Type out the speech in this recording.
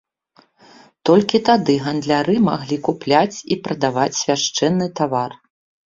Толькі тады гандляры маглі купляць і прадаваць свяшчэнны тавар.